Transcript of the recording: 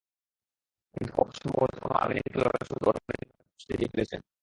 কিন্তু পগবা সম্ভবত কোনো আর্মেনিয়ান খেলোয়াড়ের সঙ্গে ওটা বিনিময়ের প্রতিশ্রুতি দিয়ে ফেলেছিলেন।